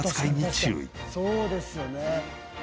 そうですよね。